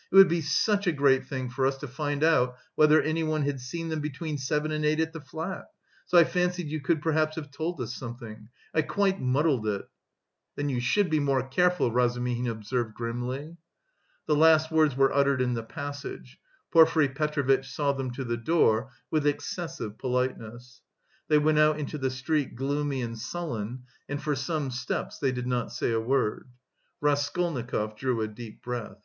"It would be such a great thing for us to find out whether anyone had seen them between seven and eight at the flat, so I fancied you could perhaps have told us something.... I quite muddled it." "Then you should be more careful," Razumihin observed grimly. The last words were uttered in the passage. Porfiry Petrovitch saw them to the door with excessive politeness. They went out into the street gloomy and sullen, and for some steps they did not say a word. Raskolnikov drew a deep breath.